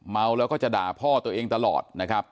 เมาแล้วก็จะด่าพ่อตัวเองตลอดนะครับ